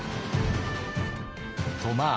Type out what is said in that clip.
とまあ